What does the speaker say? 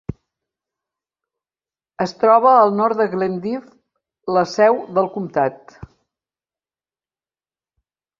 Es troba al nord de Glendive, la seu del comtat.